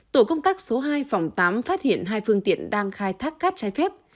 tổ công tác số hai phòng tám phát hiện hai phương tiện đang khai thác cát trái phép